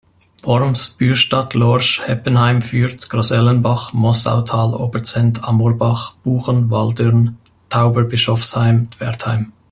Worms, Bürstadt, Lorsch, Heppenheim, Fürth, Grasellenbach, Mossautal, Oberzent, Amorbach, Buchen, Walldürn, Tauberbischofsheim, Wertheim.